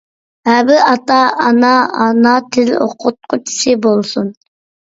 ھەر بىر ئاتا-ئانا ئانا تىل ئوقۇتقۇچىسى بولسۇن!